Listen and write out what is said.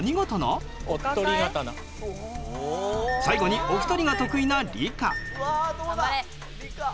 最後にお二人が得意な理科。